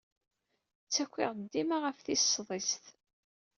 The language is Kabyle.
Ttakiɣ-d dima ɣef tis sḍiset.